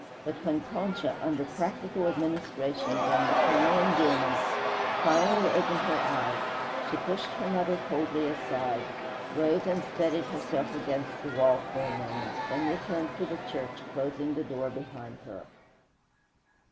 But when Concha, under practical administrations and maternal endearments, finally opened her eyes, she pushed her mother coldly aside, rose and steadied herself against the wall for a moment, then returned to the church, closing the door behind her.